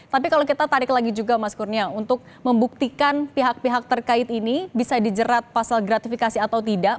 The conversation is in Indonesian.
tapi kalau kita tarik lagi juga mas kurnia untuk membuktikan pihak pihak terkait ini bisa dijerat pasal gratifikasi atau tidak